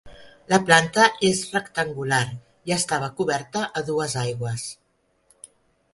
La planta és rectangular i estava coberta a dues aigües.